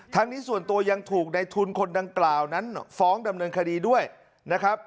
นี้ส่วนตัวยังถูกในทุนคนดังกล่าวนั้นฟ้องดำเนินคดีด้วยนะครับ